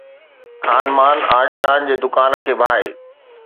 خانمان عاشقان جي دڪان کي باهه